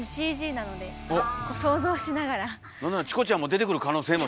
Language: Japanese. なんならチコちゃんも出てくる可能性も。